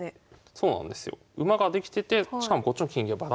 そうなんですよ。